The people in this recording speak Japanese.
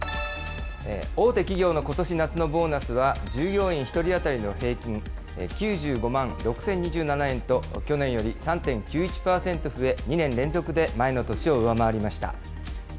大手企業のことし夏のボーナスは、従業員１人当たりの平均９５万６０２７円と、去年より３．９１％増え、２年連続で前の年を上回りました。